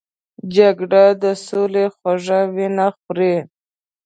جګړه د سولې خوږه وینه خوري